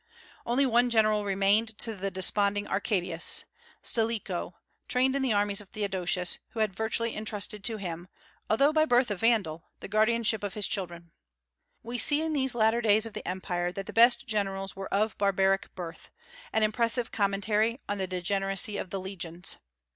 Only one general remained to the desponding Arcadius, Stilicho, trained in the armies of Theodosius, who had virtually intrusted to him, although by birth a Vandal, the guardianship of his children. We see in these latter days of the Empire that the best generals were of barbaric birth, an impressive commentary on the degeneracy of the legions.